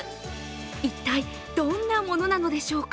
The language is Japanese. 一体どんなものなのでしょうか。